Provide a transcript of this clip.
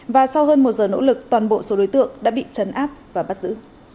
và sau hơn một giờ nỗ lực toàn bộ số đối tượng đã bị chấn áp và bắt giữ